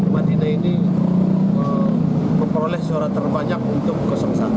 mereka memperoleh surat terbanyak untuk satu